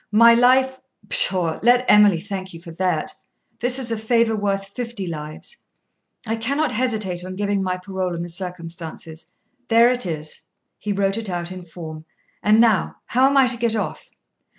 My life pshaw let Emily thank you for that; this is a favour worth fifty lives. I cannot hesitate on giving my parole in the circumstances; there it is (he wrote it out in form). And now, how am I to get off?'